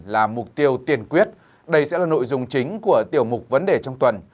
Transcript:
là mục tiêu tiền quyết đây sẽ là nội dung chính của tiểu mục vấn đề trong tuần